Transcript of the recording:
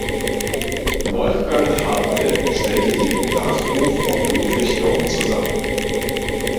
Wolfgang Haberl stellte sie im Nachruf auf Ludwig Dorn zusammen.